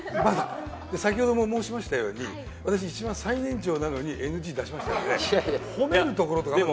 先ほども申しましたように私一番最年長なのにＮＧ出しましたからね